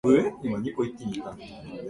桔梗駅